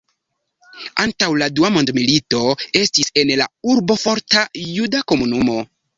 Antaŭ la Dua mondmilito estis en la urbo forta juda komunumo.